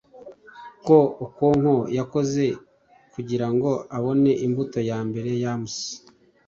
ko okonkwo yakoze kugirango abone imbuto yambere yams